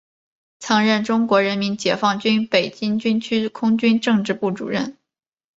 曾任中国人民解放军北京军区空军政治部主任。